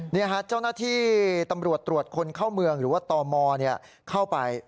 นี่ฮะเจ้าหน้าที่ตรวจตรวจคนเข้าเมืองหรือว่าต่อมอ